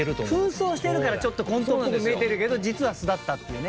扮装はしてるからちょっとコントっぽく見えてるけど実は素だったっていうね。